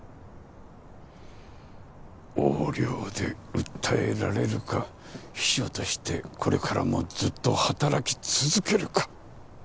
横領で訴えられるか秘書としてこれからもずっと働き続けるか。